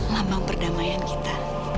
lambang perdamaian kita